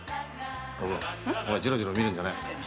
おぶんジロジロ見るんじゃねえ。